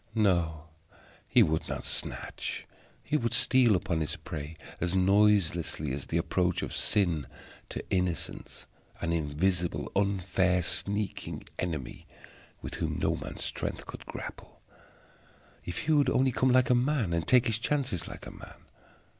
No; he would not snatch, he would steal upon his prey as noiselessly as the approach of Sin to Innocence an invisible, unfair, sneaking enemy, with whom no man's strength could grapple. If he would only come like a man, and take his chances like a man!